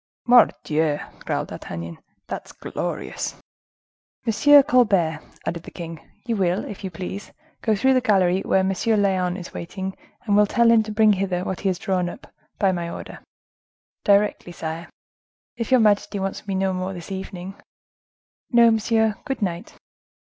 "Mordioux!" growled D'Artagnan, "that's glorious!" "Monsieur Colbert," added the king, "you will, if you please, go through the gallery where M. Lyonne is waiting, and will tell him to bring hither what he has drawn up—by my order." "Directly, sire; if your majesty wants me no more this evening?" "No, monsieur: good night!"